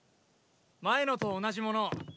前のと同じものを。